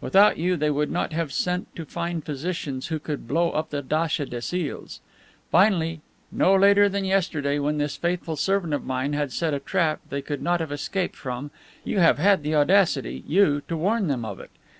Without you, they would not have sent to find physicians who could blow up the datcha des Iles. Finally, no later than yesterday, when this faithful servant of mine had set a trap they could not have escaped from, you have had the audacity, you, to warn them of it.